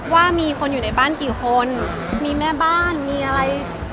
ว่ามีคนอยู่ในบ้านกี่คนมีแม่บ้านมีอะไร